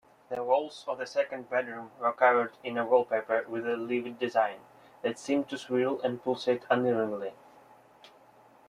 The walls of the second bedroom were covered in a wallpaper with a livid design that seemed to swirl and pulsate unnervingly.